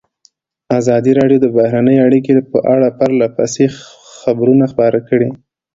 ازادي راډیو د بهرنۍ اړیکې په اړه پرله پسې خبرونه خپاره کړي.